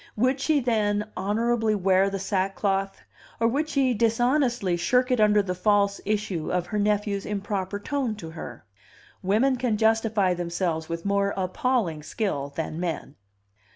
Would she, then, honorably wear the sackcloth, or would she dishonestly shirk it under the false issue of her nephew's improper tone to her? Women can justify themselves with more appalling skill than men.